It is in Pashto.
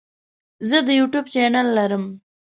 زه د یوټیوب چینل لرم.